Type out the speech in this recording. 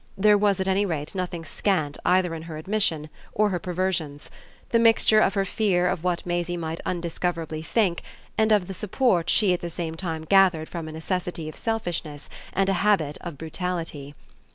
There was at any rate nothing scant either in her admissions or her perversions, the mixture of her fear of what Maisie might undiscoverably think and of the support she at the same time gathered from a necessity of selfishness and a habit of brutality.